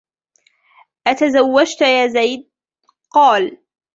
أَتَزَوَّجَتْ يَا زَيْدُ ؟ قَالَ